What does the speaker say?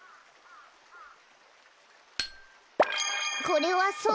これはソ。